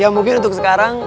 ya mungkin untuk sekarang